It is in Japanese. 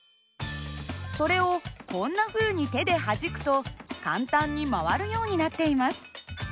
それをこんなふうに手ではじくと簡単に回るようになっています。